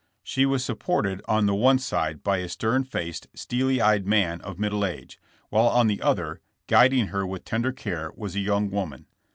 She was supported on the one sid« by a stern faced, steely eyed man of middle age, while on the other, guiding her with tender care, was a young woman.